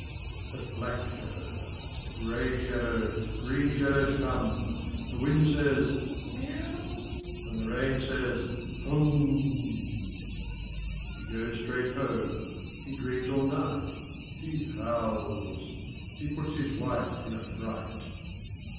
But black shadows, grey shadows, green shadows come. The wind says, " Miau !" and the rain says, « Hum !" He goes straight home. He dreams all night. He howls. He puts his wife in a fright.